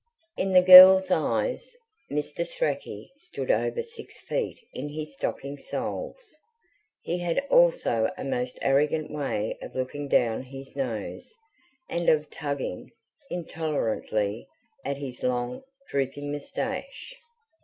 In the girls' eyes, Mr. Strachey stood over six feet in his stocking soles. He had also a most arrogant way of looking down his nose, and of tugging, intolerantly, at his long, drooping moustache.